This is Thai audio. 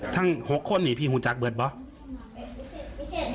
ทั้ง๖คนนี่พี่หุ้นจักรเบิร์ดบ้าง